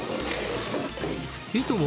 いとも